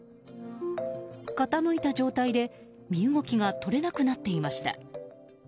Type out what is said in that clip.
傾いた状態で身動きが取れなくなっていました。